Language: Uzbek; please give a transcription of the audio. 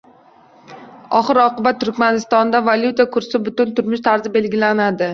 Oxir -oqibat, Turkmanistonda valyuta kursi, butun turmush tarzi belgilanadi